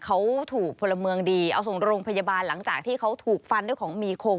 เขาถูกพลเมืองดีเอาส่งโรงพยาบาลหลังจากที่เขาถูกฟันด้วยของมีคม